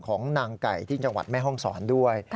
ของนางไก่ที่จังหวัดแม่ห้องศรด้วย